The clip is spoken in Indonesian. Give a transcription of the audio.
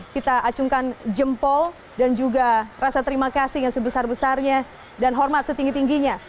kita acungkan jempol dan juga rasa terima kasih yang sebesar besarnya dan hormat setinggi tingginya